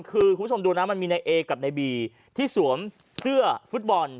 คือคุณผู้ชมดูนะมันมีในเอกับในบีที่สวมเสื้อฟุตบอล